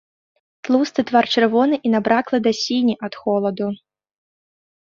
Тлусты твар чырвоны і набраклы да сіні ад холаду.